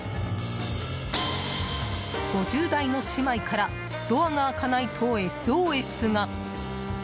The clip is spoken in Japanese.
５０代の姉妹からドアが開かないと、ＳＯＳが。